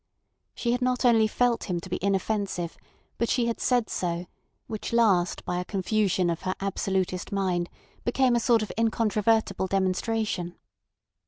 She had not only felt him to be inoffensive, but she had said so, which last by a confusion of her absolutist mind became a sort of incontrovertible demonstration.